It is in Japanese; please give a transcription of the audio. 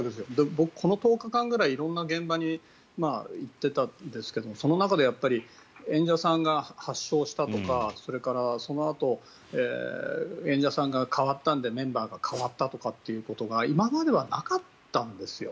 僕、この１０日間ぐらい色んな現場に行ってたんですけどその中で演者さんが発症したとかそれからそのあと演者さんが代わったのでメンバーが代わったとかということが今まではなかったんですよ。